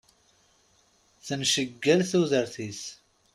Tenceggal tudert-is.